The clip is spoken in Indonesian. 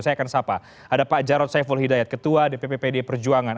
saya akan sapa ada pak jarod saiful hidayat ketua dpp pdi perjuangan